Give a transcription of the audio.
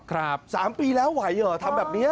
สามปีแล้วไหวเหรอทำแบบนี้